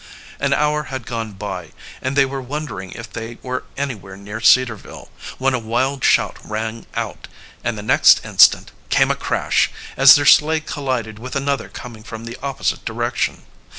An hour had gone by, and they were wondering if they were anywhere near Cedarville, when a wild shout rang out, and the next instant came a crash, as their sleigh collided with another coming from the opposite direction.